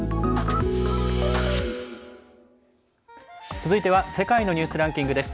続いては「世界のニュースランキング」です。